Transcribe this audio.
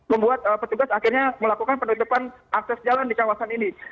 membuat petugas akhirnya melakukan penutupan akses jalan di kawasan ini